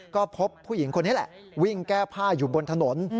ก็พบผู้หญิงคนนี้แหละวิ่งแก้ผ้าอยู่บนถนน